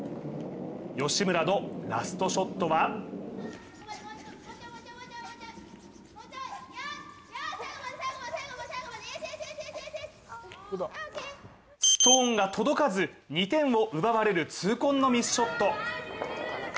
吉村のラストショットはストーンが届かず２点を奪われる痛恨のミスショット。